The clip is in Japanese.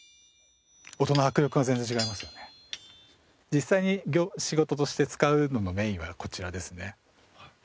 実際に仕事として使うもののメインはこちらですね。